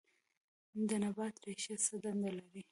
د نبات ریښې څه دنده لري